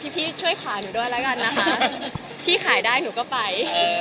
พี่ช่วยขายหนูด้วยแล้วกันนะคะพี่ขายได้หนูก็ไป